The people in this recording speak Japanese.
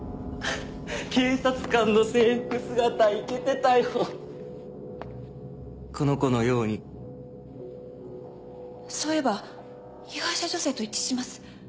警察官の制服姿イケてたよこの子のようにそういえば被害者女性と一致します。